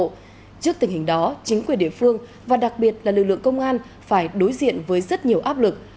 trước tình hình đó chính quyền địa phương và đặc biệt là lực lượng công an phải đối diện với rất nhiều áp lực